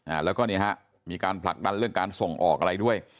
อ่าแล้วก็เนี่ยฮะมีการผลักดันเรื่องการส่งออกอะไรด้วย